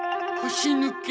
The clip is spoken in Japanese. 腰抜け。